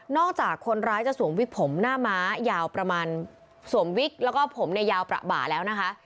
จากคนร้ายจะสวมวิกผมหน้าม้ายาวประมาณสวมวิกแล้วก็ผมเนี่ยยาวประบ่าแล้วนะคะ